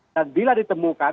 dan bila ditemukan